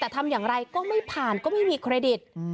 แต่ทำอย่างไรก็ไม่ผ่านก็ไม่มีเครดิต